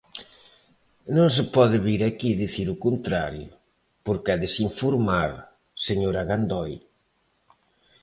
Non se pode vir aquí dicir o contrario, porque é desinformar, señora Gandoi.